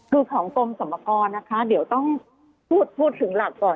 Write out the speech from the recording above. คือของกรมสรรพากรนะคะเดี๋ยวต้องพูดถึงหลักก่อน